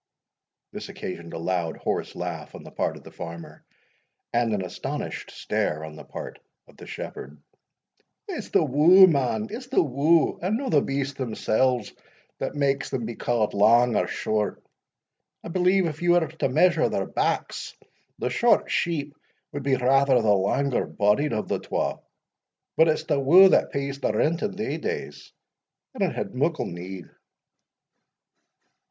This occasioned a loud hoarse laugh on the part of the farmer, and an astonished stare on the part of the shepherd. "It's the woo', man, it's the woo', and no the beasts themsells, that makes them be ca'd lang or short. I believe if ye were to measure their backs, the short sheep wad be rather the langer bodied o' the twa; but it's the woo' that pays the rent in thae days, and it had muckle need."